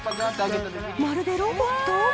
まるでロボット？